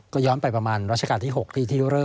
ก็ย้อนไปประมาณรัชกาลที่๖ที่เริ่ม